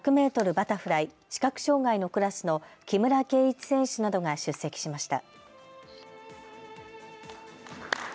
バタフライ視覚障害のクラスの木村敬一選手などが出席しました。